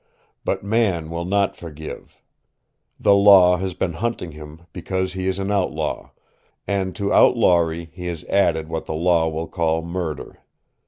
But man will not forgive. The law has been hunting him because he is an outlaw, and to outlawry he has added what the law will call murder.